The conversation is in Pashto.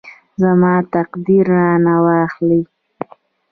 زما تقدیر رانه واخلي.